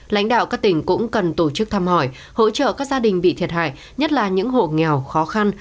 lãnh đạo các tỉnh cũng cần tổ chức thăm hỏi hỗ trợ các gia đình bị thiệt hại nhất là những hộ nghèo khó khăn